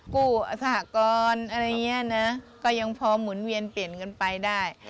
กู้อสหกรณ์อะไรอย่างนี้นะก็ยังพอหมุนเวียนเปลี่ยนกันไปได้